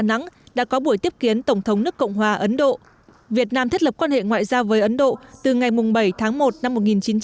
ấn độ việt nam thiết lập quan hệ ngoại giao với ấn độ từ ngày bảy tháng một năm một nghìn chín trăm bảy mươi hai